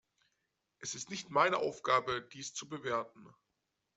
Es ist nicht meine Aufgabe, dies zu bewerten.